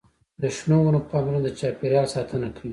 د شنو ونو پاملرنه د چاپیریال ساتنه کوي.